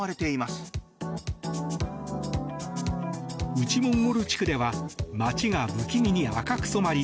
内モンゴル地区では街が不気味に赤く染まり